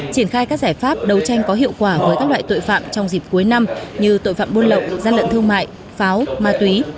triển khai các giải pháp đấu tranh có hiệu quả với các loại tội phạm trong dịp cuối năm như tội phạm buôn lậu gian lận thương mại pháo ma túy